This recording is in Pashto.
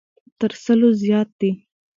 تر سلو زیات دی.